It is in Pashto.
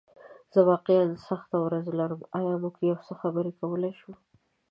زه واقعیا سخته ورځ لرم، ایا موږ یو څه خبرې کولی شو؟